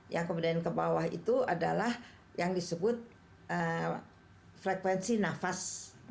yang kemudian ke bawah itu adalah yang disebut frekuensi nafas